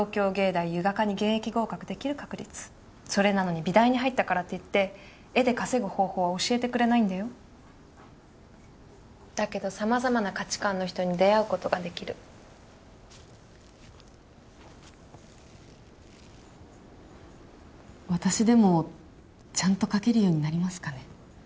大油画科に現役合格できる確率それなのに美大に入ったからっていって絵で稼ぐ方法は教えてくれないんだよだけど様々な価値観の人に出会うことができる私でもちゃんと描けるようになりますかね？